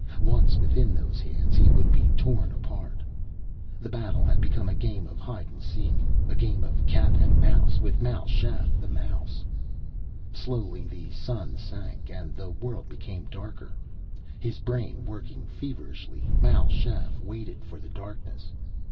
Once within those hands he would be torn apart. The battle had become a game of hide and seek, a game of cat and mouse, with Mal Shaff the mouse. Slowly the sun sank and the world became darker. His brain working feverishly, Mal Shaff waited for the darkness.